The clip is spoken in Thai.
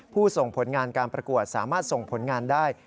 ส่งผลงานการประกวดสามารถส่งผลงานได้